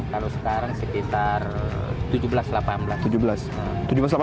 kalau sekarang sekitar tujuh belas delapan belas